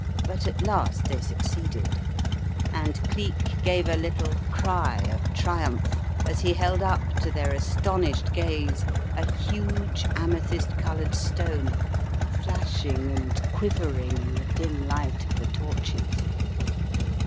But at last they succeeded, and Cleek gave a little cry of triumph as he held up to their astonished gaze a huge amethyst coloured stone, flashing and quiver ing in the dim light of the torches.